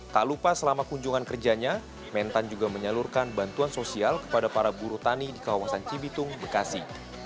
tak lupa selama kunjungan kerjanya mentan juga menyalurkan bantuan sosial kepada para buruh tani di kawasan cibitung bekasi